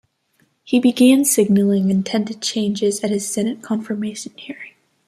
He began signaling intended changes at his Senate confirmation hearing.